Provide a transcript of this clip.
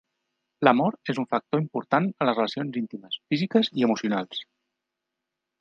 L'amor és un factor important en els relacions intimes físiques i emocionals.